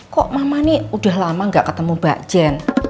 kok mama ini udah lama gak ketemu mbak jen